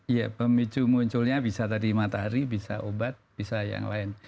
iya pemicu munculnya bisa tadi matahari bisa obat bisa yang lain